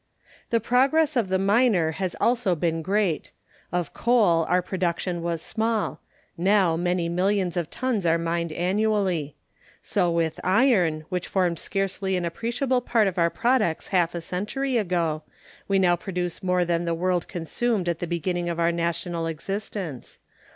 The progress of the miner has also been great. Of coal our production was small; now many millions of tons are mined annually. So with iron, which formed scarcely an appreciable part of our products half a century ago, we now produce more than the world consumed at the beginning of our national existence.